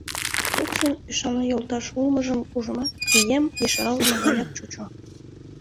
Фуксын ӱшанле йолташ улмыжым ужымат, вием ешаралтме гаяк чучо.